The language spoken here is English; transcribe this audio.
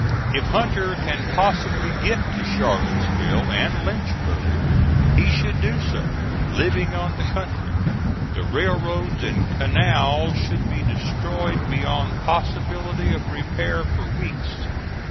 "If Hunter can possibly get to Charlottesville and Lynchburg, he should do so, living on the country. The railroads and canal should be destroyed beyond possibility of repairs for weeks.